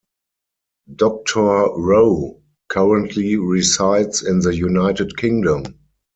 Doctor Rowe currently resides in the United Kingdom.